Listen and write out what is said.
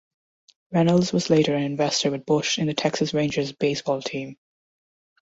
Reynolds was later an investor with Bush in the Texas Rangers baseball team.